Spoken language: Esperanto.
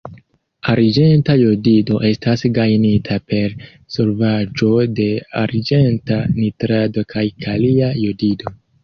Arĝenta jodido estas gajnita per solvaĵo de arĝenta nitrato kaj kalia jodido.